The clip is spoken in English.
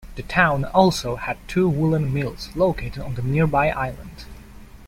The town also had two woollen mills, located on the nearby island.